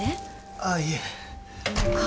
ああいえ顔